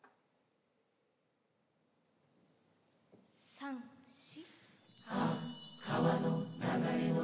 ３４。